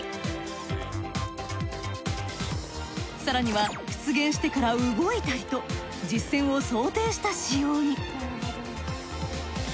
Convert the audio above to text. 更には出現してから動いたりと実戦を想定した仕様に。